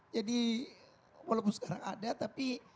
jadi walaupun sekarang ada tapi